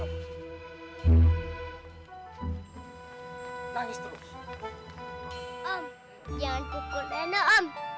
om jangan pukul reno om